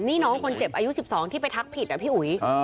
นี่น้องคนเจ็บอายุ๑๒ที่ไปทักผิดอะพี่อุ๋ย